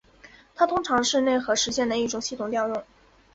它通常是内核实现的一种系统调用。